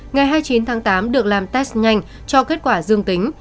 ngày hai mươi chín tháng tám được làm test nhanh cho kết quả dương tính